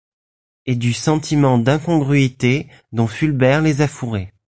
Et du sentiment d’incongruité dont Fulbert les a fourrés.